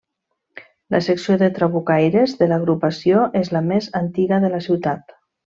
La secció de trabucaires de l’agrupació és la més antiga de la ciutat.